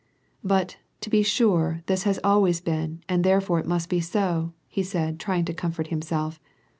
^' But, to be sure this has always been, and tlierefore it must be so," he said, trying to comfort himself.